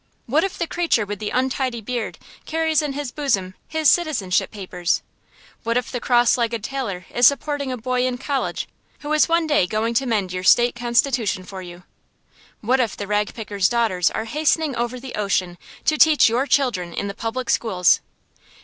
What if the creature with the untidy beard carries in his bosom his citizenship papers? What if the cross legged tailor is supporting a boy in college who is one day going to mend your state constitution for you? What if the ragpicker's daughters are hastening over the ocean to teach your children in the public schools?